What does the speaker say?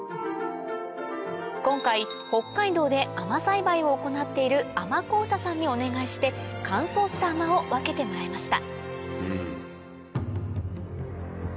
今回北海道で亜麻栽培を行っている亜麻公社さんにお願いして乾燥した亜麻を分けてもらいました